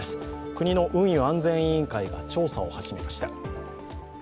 国の運輸安全委員会が調査を始めました。